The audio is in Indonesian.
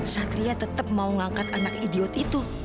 satria tetap mau ngangkat anak idiot itu